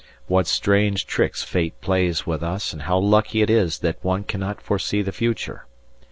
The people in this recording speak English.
What strange tricks fate plays with us, and how lucky it is that one cannot foresee the future.